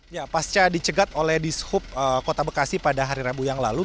ya pasca dicegat oleh dishub kota bekasi pada hari rabu yang lalu